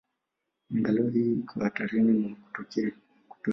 Angalau iko hatarini mwa kutoweka.